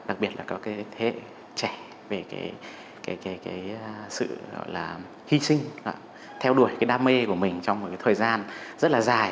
đặc biệt là các thế hệ trẻ về sự hy sinh theo đuổi cái đam mê của mình trong một thời gian rất là dài